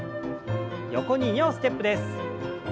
横に２歩ステップです。